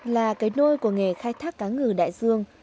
là cái nôi của nghề khai thác cá ngừ đại dương